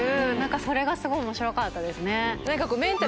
それがすごい面白かったですね。